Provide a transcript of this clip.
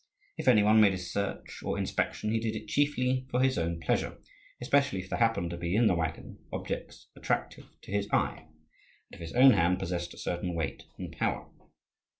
If any one made a search or inspection, he did it chiefly for his own pleasure, especially if there happened to be in the waggon objects attractive to his eye, and if his own hand possessed a certain weight and power.